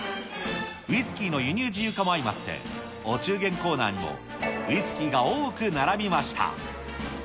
ウイスキーの輸入自由化も相まって、お中元コーナーにも、ウイスキーが多く並びました。